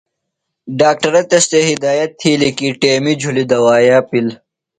ڈاکٹرہ تس تھےۡ ہدایت تِھیلیۡ کی ٹیمیۡ جُھلیۡ دوایا پِل۔